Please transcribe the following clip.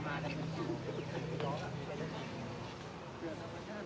พยายามอยู่ตรงนี้พยายามพยายามพยายาม